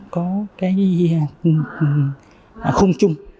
có khung chung